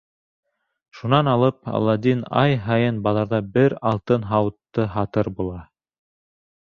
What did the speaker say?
Шунан алып, Аладдин ай һайын баҙарҙа бер алтын һауытты һатыр була.